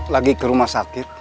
lagi ke rumah sakit